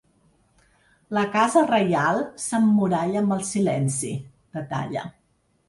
La casa reial s’emmuralla amb el silenci, detalla.